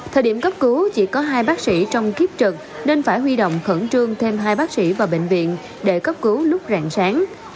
thời điểm cấp cứu chỉ có hai bác sĩ trong kiếp trực nên phải huy động khẩn trương thêm hai bác sĩ vào bệnh viện để cấp cứu lúc rạng sáng